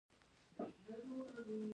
غوښې د افغانستان د ولایاتو په کچه توپیر لري.